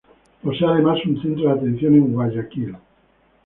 Posee además un centro de atención en Guayaquil.